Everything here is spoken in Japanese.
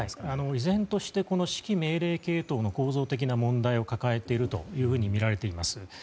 依然として指揮命令系統の構造的な問題を抱えているとみられています。